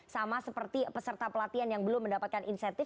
sama seperti peserta pelatihan yang belum mendapatkan insentif